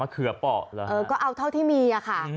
ก็เอาเท่าที่มีน่ะค่ะ